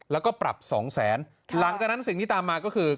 แล้วก็ปรับสองแสนหลังจากนั้นสิ่งที่ตามมาก็คือ